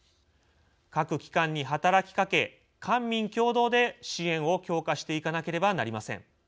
各機関に働きかけ官民共同で支援を強化していかなければなりません。